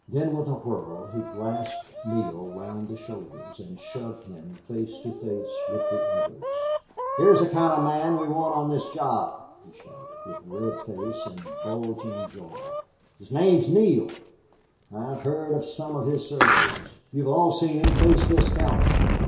Then with a whirl he grasped Neale round the shoulders and shoved him face to face with the others. "Here's the kind of man we want on this job!" he shouted, with red face and bulging jaw. "His name's Neale. I've heard of some of his surveys. You've all seen him face this council.